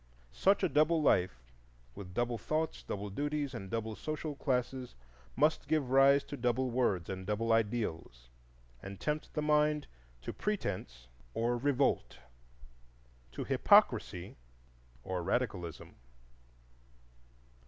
Such a double life, with double thoughts, double duties, and double social classes, must give rise to double words and double ideals, and tempt the mind to pretence or revolt, to hypocrisy or radicalism.